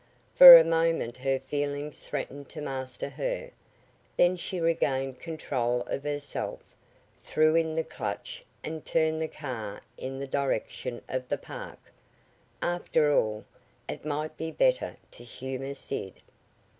For a moment her feelings threatened to master her. Then she regained control of herself, threw in the clutch and turned the car in the direction of the park. After all, it might be better to humor Sid.